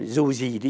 dù gì đi trang trí